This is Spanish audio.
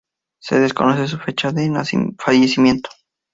Se desconoce su fecha de fallecimiento.